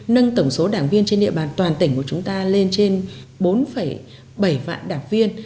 nâng tổng số đảng viên trên địa bàn toàn tỉnh của chúng ta lên trên bốn bảy vạn đảng viên